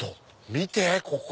見てここ。